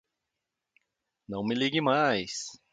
Não me ligue mais!